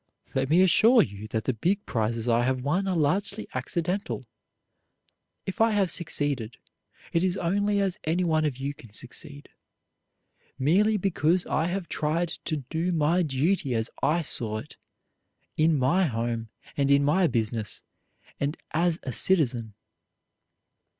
Let me assure you that the big prizes I have won are largely accidental. If I have succeeded, it is only as anyone of you can succeed, merely because I have tried to do my duty as I saw it in my home and in my business, and as a citizen.